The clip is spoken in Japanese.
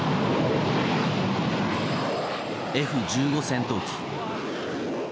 Ｆ１５戦闘機。